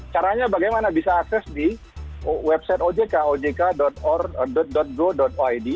caranya bagaimana bisa akses di website ojk ojk go id